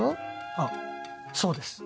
あっそうです。